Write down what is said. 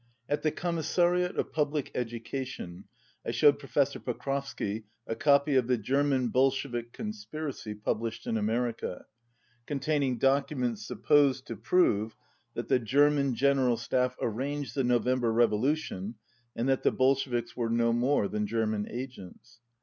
At the Commissariat of Public Education I showed Professor Pokrovsky a copy of The German Bolshevik Conspiracy, published in America, con taining documents supposed to prove that the German General Staff arranged the November Revolution, and that the Bolsheviks were no more than German agents.